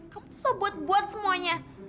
kamu tuh so buat buat semuanya